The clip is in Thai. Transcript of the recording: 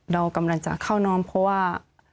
เรากำลังจะเข้าน้อมเพราะว่า